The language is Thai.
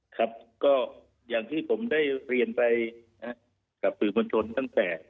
ต่อก็อย่างที่ผมได้เรียนไปกับผู้มนต์ชนทั้งแต่